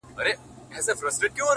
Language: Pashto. • قاسمیار په زنځیر بند تړلی خوښ یم ..